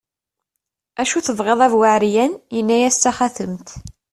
acu tebɣiḍ a bu ɛeryan, yenna-as d taxatemt